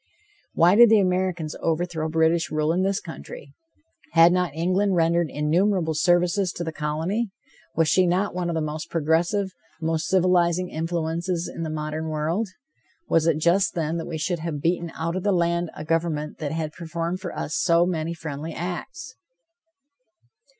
Why did the Americans overthrow British rule in this country? Had not England rendered innumerable services to the colony? Was she not one of the most progressive, most civilizing influences in the modern world? Was it just, then, that we should have beaten out of the land a government that had performed for us so many friendly acts?